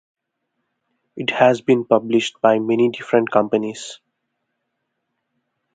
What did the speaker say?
It has been published by many different companies.